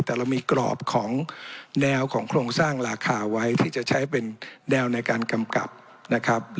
แต่เรามีกรอบของแนวของโครงสร้างราคาไว้ที่จะใช้เป็นแนวในการกำกับนะครับ